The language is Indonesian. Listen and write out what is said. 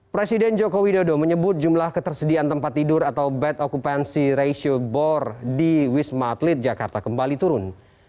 presiden joko widodo menyebut jumlah ketersediaan tempat tidur atau bed occupancy ratio bor di wisma atlet jakarta kembali turun